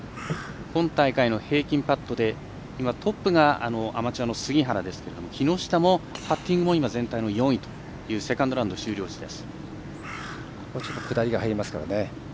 今大会の平均パットで今トップがアマチュアの杉原ですが木下もパッティングも全体の４位というセカンドラウンド終了時です。